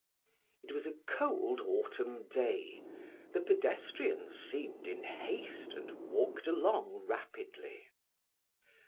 It was a cold, autumn day. The pedestrians seemed in haste and walked along rapidly.